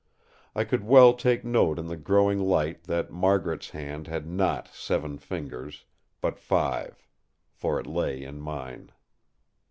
I could well take note in the growing light that Margaret's hand had not seven fingers, but five; for it lay in mine.